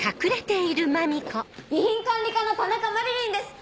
備品管理課の田中麻理鈴です！